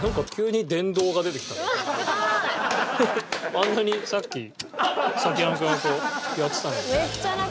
あんなにさっき崎山君とやってたのに。